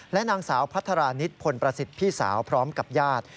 นางสาวพัฒรานิษฐ์พลประสิทธิ์พี่สาวพร้อมกับญาติ